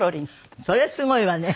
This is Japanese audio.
それすごいわね。